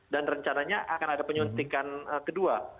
dan rencananya akan ada penyuntikan kedua